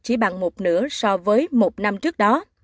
chỉ bằng một nửa so với một năm trước đó